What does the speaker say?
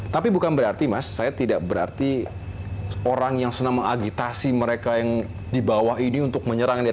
tapi bukan berarti mas saya tidak berarti orang yang senang mengagitasi mereka yang di bawah ini untuk menyerang